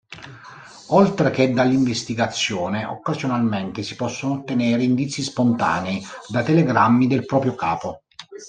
Oltre che dall'investigazione, occasionalmente si possono ottenere indizi spontanei da telegrammi del proprio capo.